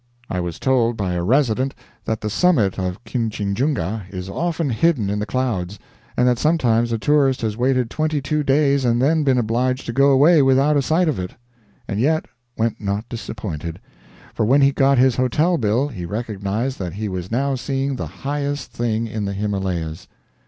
I was told by a resident that the summit of Kinchinjunga is often hidden in the clouds, and that sometimes a tourist has waited twenty two days and then been obliged to go away without a sight of it. And yet went not disappointed; for when he got his hotel bill he recognized that he was now seeing the highest thing in the Himalayas.